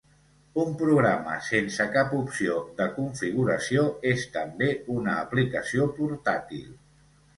Un programa sense cap opció de configuració és també una aplicació portàtil.